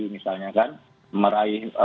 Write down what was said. misalnya kan meraih